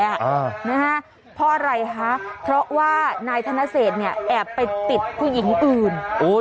เพราะอะไรคะเพราะว่านายท่านเศษเนี่ยแอบไปติดผู้หญิงอื่น